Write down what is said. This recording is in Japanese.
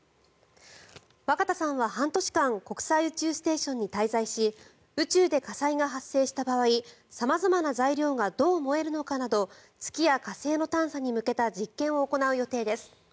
若田さんは半年間国際宇宙ステーションに滞在し宇宙で火災が発生した場合様々な材料がどう燃えるのかなど月や火星の探査に向けた実験を行う予定です。